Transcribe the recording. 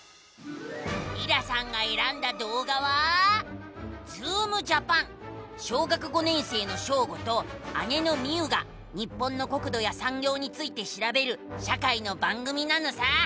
りらさんがえらんだどうがは小学５年生のショーゴと姉のミウが日本の国土やさんぎょうについてしらべる社会の番組なのさ！